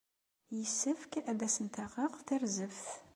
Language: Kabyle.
Yessefk ad asent-d-aɣeɣ tarzeft.